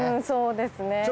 そうですね。